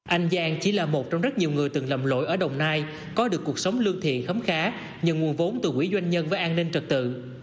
anh giang chỉ là một trong rất nhiều người từng lầm lỗi ở đồng nai có được cuộc sống lương thiện khấm khá nhờ nguồn vốn từ quỹ doanh nhân với an ninh trật tự